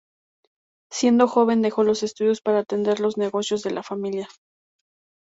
Siendo joven, dejó los estudios para atender los negocios de la familia.